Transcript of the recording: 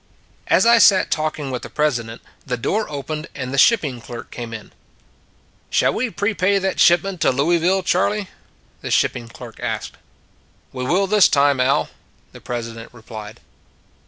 As I sat talking with the president, the door opened and the shipping clerk came In. " Shall we prepay that shipment to Louisville, Charley?" the shipping clerk asked. " We will this time, Al," the president replied.